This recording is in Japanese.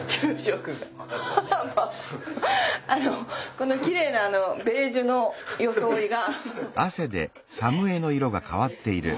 このきれいなベージュの装いが。